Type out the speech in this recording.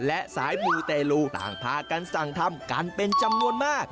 และสายมูเตลูต่างพากันสั่งทำกันเป็นจำนวนมาก